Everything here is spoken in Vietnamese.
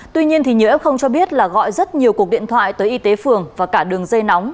tuy nhiên thì nhiều f cho biết là gọi rất nhiều cuộc điện thoại tới y tế phường và cả đường dây nóng